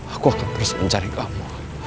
aku akan terus mencari kamu